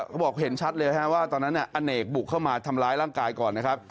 เขาบอกเห็นชัดเลยว่าตอนนั้นอเนกบุกเข้ามาทำร้ายร่างกายก่อนนะครับ